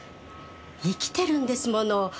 生きてるんですもの。